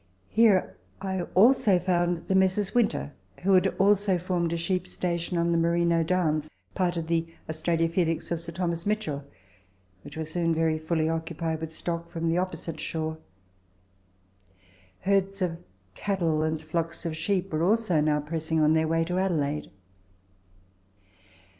Here I also found the Messrs. Winter, who had also formed a sheep station on the Merino Downs, part of the Australia Felix of Sir T. Mitchell, which was very soon fully occupied with stock from the opposite shore. Herds of cattle and flocks of sheep were also now pressing on their way to Adelaide.